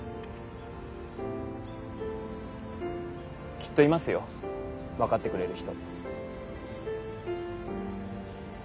きっといますよ分かってくれる人。